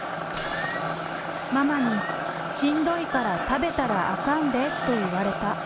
ママに、しんどいから食べたらあかんでと言われた。